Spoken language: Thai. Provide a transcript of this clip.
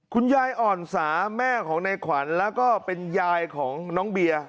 คุณยายอ่อนสาแม่ของในขวัญแล้วก็เป็นยายของน้องเบียร์